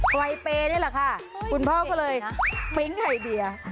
ไกวเปย์ได้หรอคะคุณพ่ามันเป็นสัตว์ไข่เบีย